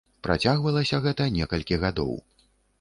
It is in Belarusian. Працягвалася гэта некалькі гадоў.